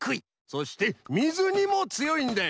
そしてみずにもつよいんだ！